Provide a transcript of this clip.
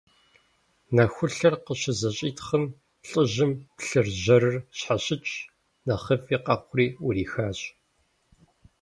Нэхулъэр къыщызэщӀитхъым, лӏыжьым плъыржьэрыр щхьэщыкӀщ, нэхъыфӀ къэхъури Ӏурихащ.